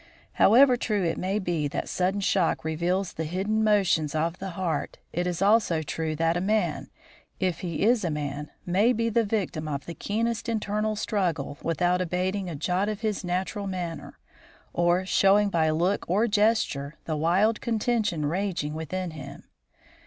However true it may be that sudden shock reveals the hidden motions of the heart, it is also true that a man, if he is a man, may be the victim of the keenest internal struggle without abating a jot of his natural manner, or showing by look or gesture the wild contention raging within him.